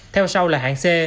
theo sau là hạng c